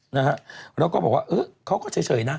แล้วก็บอกว่าเขาก็เฉยนะ